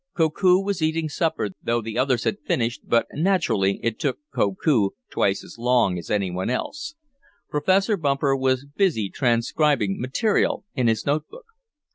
Koku was eating supper, though the others had finished, but, naturally, it took Koku twice as long as any one else. Professor Bumper was busy transcribing material in his note book.